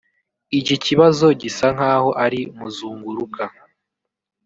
Iki kibazo gisa nkaho ari muzunguruka